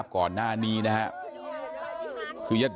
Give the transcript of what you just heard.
ยายก็นั่งร้องไห้ลูบคลำลงศพตลอดเวลา